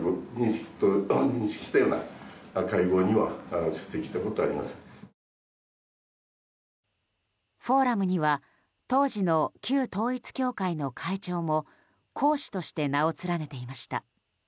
フォーラムには当時の旧統一教会の会長も講師として名を連ねていました。